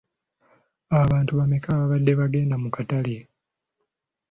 Abantu bammeka abaabadde bagenda mu katale?